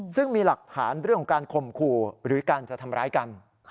ซึ่งมีหลักฐานเรื่องของการข่มขู่หรือการจะทำร้ายกัน